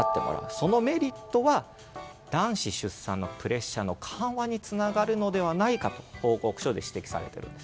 そのメリットは男子出産のプレッシャーの緩和につながるのではないかと報告書で指摘されています。